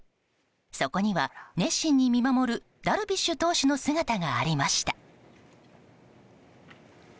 そこには熱心に見守るダルビッシュ投手の姿がありました。